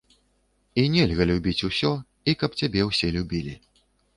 І нельга любіць усё, і каб цябе ўсе любілі.